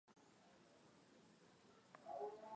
tunaweza sema kwamba kulingana na matamshi yake ni kwamba